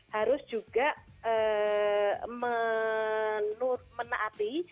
harus juga menaapi